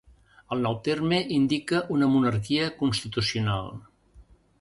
El nou terme indica una monarquia constitucional.